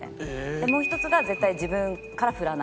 でもう１つが絶対自分からフラない。